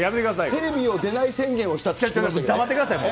テレビを出ない宣言をしたっ黙ってください。